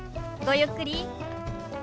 ごゆっくり。